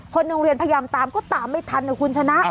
คนโรงเรียนพยายามตามก็ตามไม่ทันนะคุณชนะ